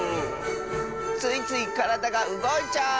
ついついからだがうごいちゃう！